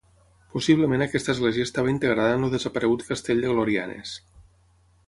Possiblement aquesta església estava integrada en el desaparegut Castell de Glorianes.